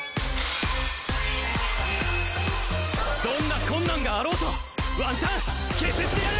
どんな困難があろうとワンチャンケズってやる！